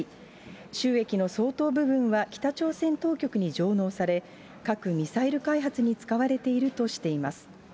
収益の相当部分は北朝鮮当局に上納され、核・ミサイル開発に使われているとしています。